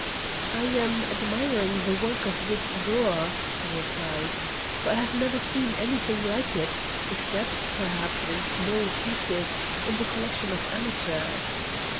"I am admiring the work of this door," I replied, "for I have never seen any thing like it, except, perhaps, in small pieces, in the collection of amateurs."